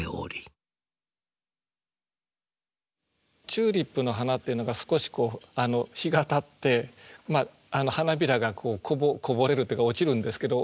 チューリップの花っていうのが少し日がたってまあ花びらがこぼれるっていうか落ちるんですけど。